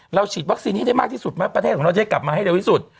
ฉีดวัคซีนให้ได้มากที่สุดไหมประเทศของเราจะได้กลับมาให้เร็วที่สุด